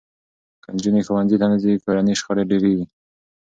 که نجونې ښوونځي ته نه ځي، کورني شخړې ډېرېږي.